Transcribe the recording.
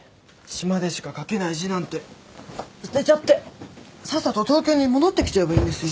島でしか書けない字なんて捨てちゃってさっさと東京に戻ってきちゃえばいいんですよ。